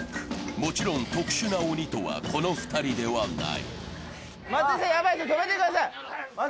もちろん特殊な鬼とは、この２人ではない。